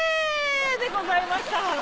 でございました。